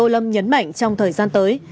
lâm nhấn mạnh trong thời gian tới